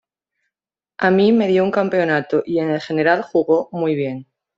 A mí me dio un campeonato y en general jugó muy bien.